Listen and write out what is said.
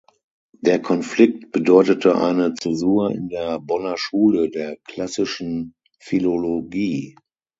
Der Konflikt bedeutete eine Zäsur in der "Bonner Schule" der Klassischen Philologie.